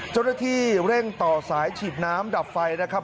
เจ้าหน้าที่เร่งต่อสายฉีดน้ำดับไฟนะครับ